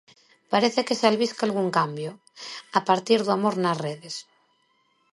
Parece que se albisca algún cambio, a partir do amor nas redes.